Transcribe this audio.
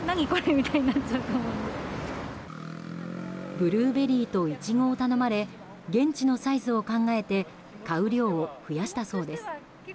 ブルーベリーとイチゴを頼まれ現地のサイズを考えて買う量を増やしたそうです。